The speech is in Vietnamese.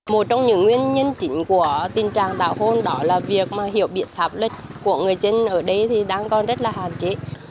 một trong những nguyên nhân chính của tình trạng tảo hôn đó là việc hiểu biện pháp lịch của người dân ở đây đang còn rất là hạn chế